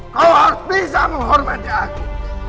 kau harus bisa menghormati aku